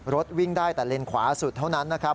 รถวิ่งได้แต่เลนขวาสุดเท่านั้นนะครับ